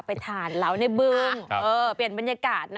ไปทานเหลาในบึงเปลี่ยนบรรยากาศนะ